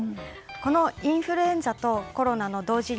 このインフルエンザとコロナの同時